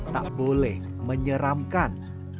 tak boleh menyeramkan